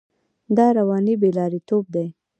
دا رواني بې لارېتوب دی.